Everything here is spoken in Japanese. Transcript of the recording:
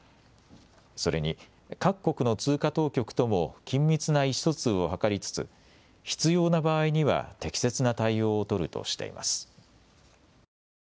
それに各国の通貨当局とも緊密な意思疎通を図りつつ必要な場合には適切な対応を取るとしています。